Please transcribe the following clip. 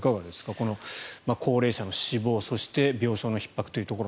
この高齢者の死亡、そして病床のひっ迫というところ。